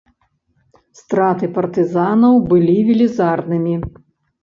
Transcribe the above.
Страты партызанаў былі велізарнымі.